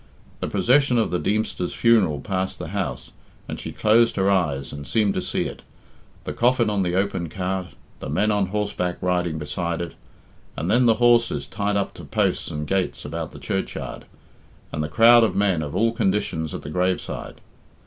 The procession of the Deemster's funeral passed the house, and she closed her eyes and seemed to see it the coffin on the open cart, the men on horseback riding beside it, and then the horses tied up to posts and gates about the churchyard, and the crowd of men of all conditions at the grave side.